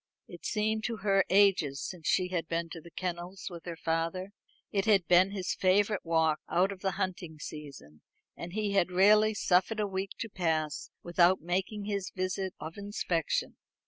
It seemed to her ages since she had been to the kennels with her father. It had been his favourite walk, out of the hunting season, and he had rarely suffered a week to pass without making his visit of inspection.